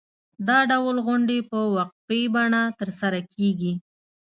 دا ډول غونډې په وقفې بڼه ترسره کېږي.